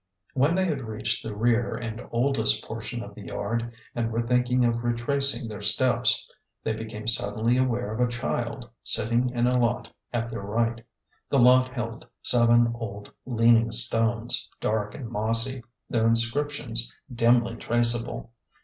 When they had reached the rear and oldest portion of the yard, and were thinking of retracing their steps, they became suddenly aware of a child sitting in a lot at their right. The lot held seven old, leaning stones, dark and mossy, their inscriptions dimly traceable.